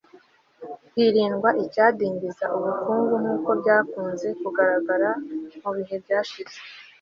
hirindwa icyadindiza ubukungu nk'uko byakunze kugaragara mu bihe byashize